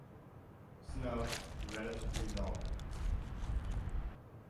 Snout relatively long.